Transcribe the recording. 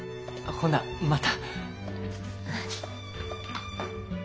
ほなまた。